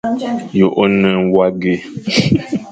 Ye o ne mwague.